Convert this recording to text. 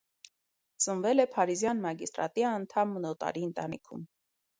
Ծնվել է փարիզյան մագիստրատի անդամ նոտարի ընտանիքում։